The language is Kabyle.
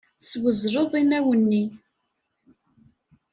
Teswezleḍ inaw-nni.